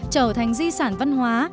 trở thành di sản văn hóa